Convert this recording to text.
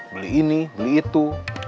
beli ini beli itu